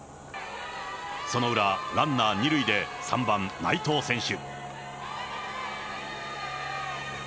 その裏、ランナー２塁で３番内藤選手。